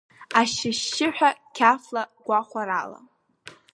Ашьшьы-шьшьыҳәа қьафла гәахәарала…